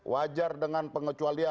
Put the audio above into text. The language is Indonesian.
wajar dengan pengecualian